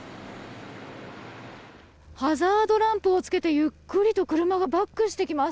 ハザードランプをつけてゆっくりと車がバックしてきます。